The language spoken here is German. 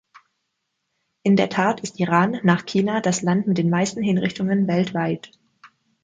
In der Tat ist Iran nach China das Land mit den meisten Hinrichtungen weltweit.